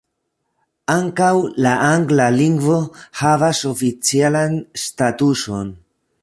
Ankaŭ la angla lingvo havas oficialan statuson.